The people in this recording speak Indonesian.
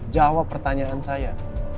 jawab pertanyaan saya